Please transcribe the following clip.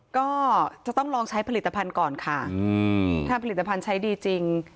ก็จะต้องลองใช้ผลิตภัณฑ์ก่อนค่ะถ้าผลิตภัณฑ์ใช้ดีจริง